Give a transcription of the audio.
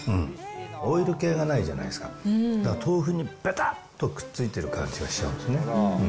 オイル系がないじゃないですか、だから豆腐にべたっとくっついてる感じがしちゃうんですね。